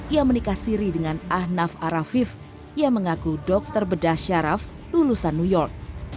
ia menikah siri dengan ahnaf arafif yang mengaku dokter bedah syaraf lulusan new york